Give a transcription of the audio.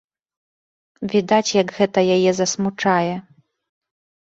Відаць, як гэта яе засмучае.